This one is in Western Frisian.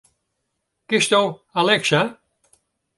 Kinsto Alexa?